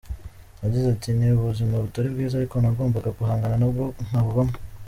Yagize ati: "Ni ubuzima butari bwiza, ariko nagombaga guhangana nabwo nkabubamo.